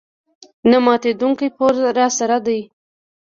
نه ماتېدونکی پوځ راسره دی.